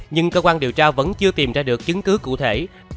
nhưng cơ quan điều tra vẫn chưa tìm ra được chứng cứ cụ thể